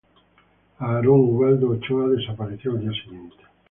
Aarón Ubaldo Ochoa desapareció al día siguiente.